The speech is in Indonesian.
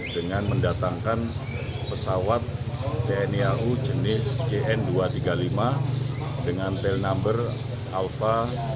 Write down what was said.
dengan mendatangkan pesawat tni au jenis cn dua ratus tiga puluh lima dengan tel number alpha dua ribu tiga ratus tujuh